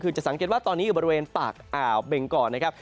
คือจะสังเกตว่าตอนนี้อยู่บริเวณปากอ่าวเบงกรนะครับ